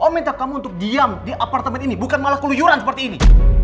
oh minta kamu untuk diam di apartemen ini bukan malah keluyuran seperti ini